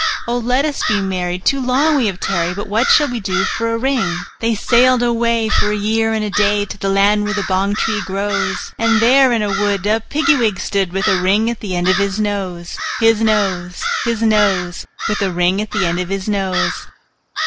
Oh! let us be married; too long we have tarried: But what shall we do for a ring?" They sailed away, for a year and a day, To the land where the bong tree grows; And there in a wood a Piggy wig stood, With a ring at the end of his nose, His nose, His nose, With a ring at the end of his nose.